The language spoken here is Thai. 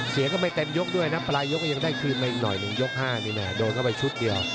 ก็ไม่เต็มยกด้วยนะปลายยกก็ยังได้คืนมาอีกหน่อยหนึ่งยก๕นี่แหละโดนเข้าไปชุดเดียว